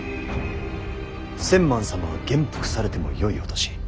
千幡様は元服されてもよいお年。